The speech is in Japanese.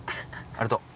ありがとう。